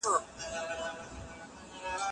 د وروسته پاته والي لاملونه څیړل شوي دي.